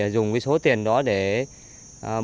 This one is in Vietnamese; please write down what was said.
dùng số tiền đó để tiết kiệm